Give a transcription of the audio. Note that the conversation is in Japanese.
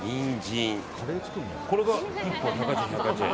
これが１本１０８円。